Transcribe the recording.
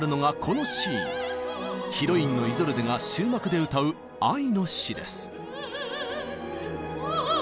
ヒロインのイゾルデが終幕で歌う「愛の死」です。